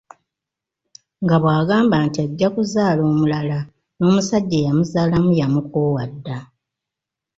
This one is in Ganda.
Nga bw’agamba nti ajja kuzaala omulala n’omusajja eyamuzaalamu yamukoowa dda.